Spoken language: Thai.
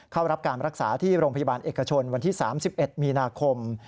เข้ารับการรักษาที่โรงพยาบาลเอกชนวันที่๓๑มีนาคม